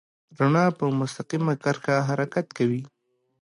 رڼا په مستقیمه کرښه حرکت کوي.